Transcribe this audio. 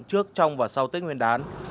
trước trong và sau tết nguyên đán